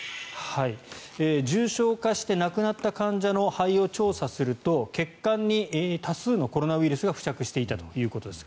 重症化して亡くなった患者の肺を調査すると血管に多数のコロナウイルスが付着していたということです。